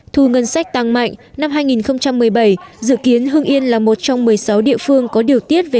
thu ngân sách tăng mạnh năm hai nghìn một mươi bảy dự kiến hưng yên là một trong một mươi sáu địa phương có điều tiết về